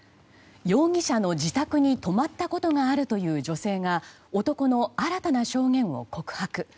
容疑者の自宅に泊まったことがあるという女性が男の新たな証言を告白。